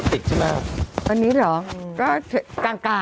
ตอนนี้หรอก็กลางค่ะ